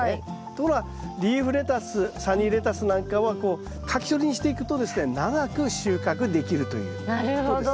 ところがリーフレタスサニーレタスなんかはこうかき取りにしていくとですね長く収穫できるということですね。